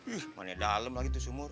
ih mana dalem lagi tuh sumur